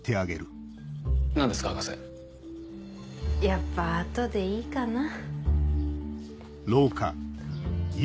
やっぱ後でいいかな。